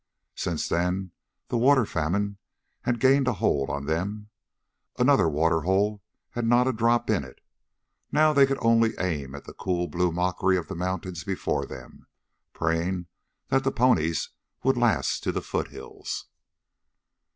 Since then the water famine had gained a hold on them; another water hole had not a drop in it. Now they could only aim at the cool, blue mockery of the mountains before them, praying that the ponies would last to the foothills.